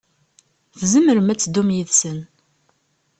Tzemrem ad teddum yid-sen.